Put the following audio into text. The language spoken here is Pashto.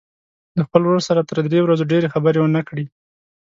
له خپل ورور سره تر درې ورځو ډېرې خبرې ونه کړي.